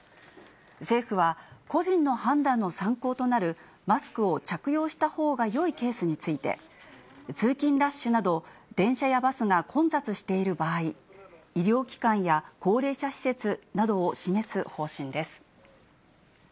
政府は、個人の判断の参考となるマスクを着用したほうがよいケースについて、通勤ラッシュなど、電車やバスが混雑している場合、医療機関や高齢者施設などを示す方針です。